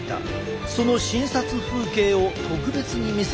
その診察風景を特別に見せてもらったぞ。